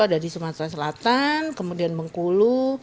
ada di sumatera selatan kemudian bengkulu